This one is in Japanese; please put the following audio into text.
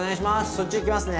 そっち行きますね。